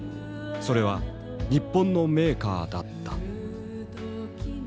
それは日本のメーカーだった」。